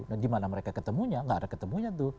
nah dimana mereka ketemunya gak ada ketemunya tuh